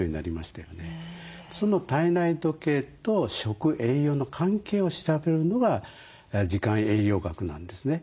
その体内時計と食・栄養の関係を調べるのが時間栄養学なんですね。